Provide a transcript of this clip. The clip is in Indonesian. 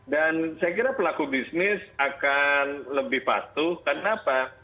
dan saya kira pelaku bisnis akan lebih patuh kenapa